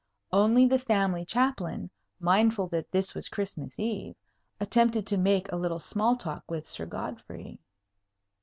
Only the family Chaplain, mindful that this was Christmas Eve, attempted to make a little small talk with Sir Godfrey.